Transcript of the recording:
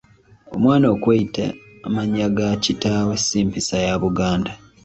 Omwana okweyita amannya ga kitaawe si mpisa ya Buganda.